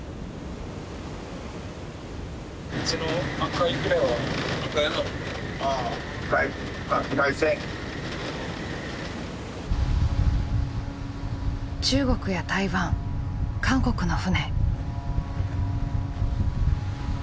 あっちの中国や台湾韓国の船。